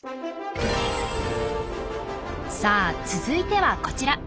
さあ続いてはこちら。